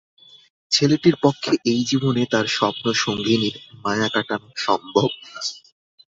ছেলেটির পক্ষে এই জীবনে তার স্বপ্নসঙ্গিনীর মায়া কাটানো সম্ভব না।